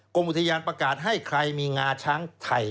กรมอุทยานประกาศให้ใครมีงาช้างไทย